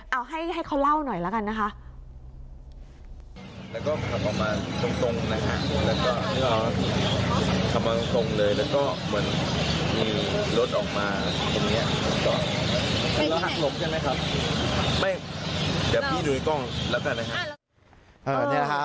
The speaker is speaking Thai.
เอาให้เขาเล่าหน่อยแล้วกันนะคะ